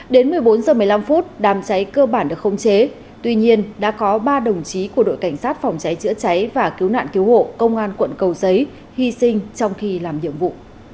đến một mươi bốn h một mươi năm đám cháy cơ bản được không chế tuy nhiên đã có ba đồng chí của đội cảnh sát phòng cháy chữa cháy và cứu nạn cứu hộ công an quận cầu giấy hy sinh trong khi làm nhiệm vụ